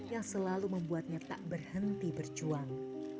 yang selalu membuatnya tak berhenti berjuang